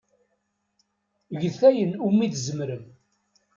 Get ayen umi tzemrem.